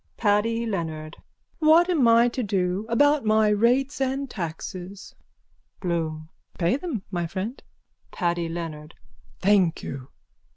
PADDY LEONARD: What am I to do about my rates and taxes? BLOOM: Pay them, my friend. PADDY LEONARD: Thank you.